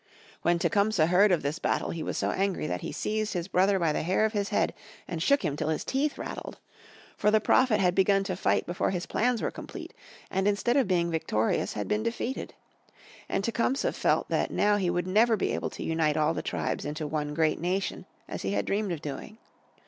When Tecumseh heard of this battle he was so angry that he seized his brother by the hair of his head and shook him till his teeth rattled. For the Prophet had begun to fight before his plans were complete, and instead of being victorious had been defeated. And Tecumseh felt that now he would never be able to unite all the tribes into one great nation as he had dreamed of doing.